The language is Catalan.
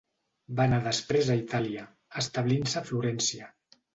Va anar després a Itàlia, establint-se a Florència.